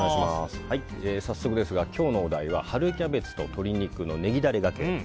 早速ですが、今日のお題は春キャベツと鶏肉のネギダレがけ。